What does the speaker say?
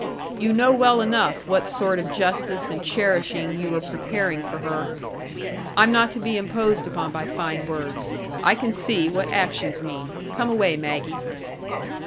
You know well enough what sort of justice and cherishing you were preparing for her. I'm not to be imposed upon by fine words; I can see what actions mean. Come away, Maggie."